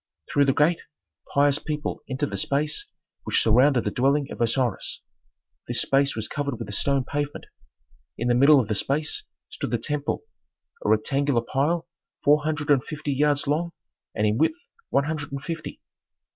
Through the gate pious people entered the space which surrounded the dwelling of Osiris; this space was covered with a stone pavement. In the middle of the space stood the temple, a rectangular pile four hundred and fifty yards long and in width one hundred and fifty.